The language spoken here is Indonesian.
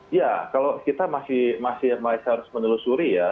iya kalau kita masih masih saya harus menelusuri ya